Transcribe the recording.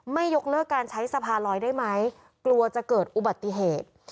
ยกเลิกการใช้สะพานลอยได้ไหมกลัวจะเกิดอุบัติเหตุ